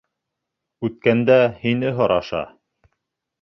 Үткәндә һине һораша.